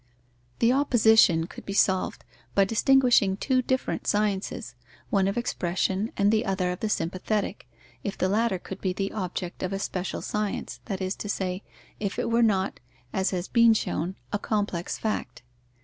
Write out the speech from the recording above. The opposition could be solved by distinguishing two different sciences, one of expression and the other of the sympathetic, if the latter could be the object of a special science; that is to say, if it were not, as has been shown, a complex fact.